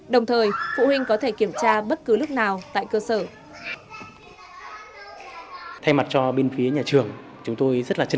đồng thời phụ huynh có thể kiểm tra bất cứ lúc nào tại cơ sở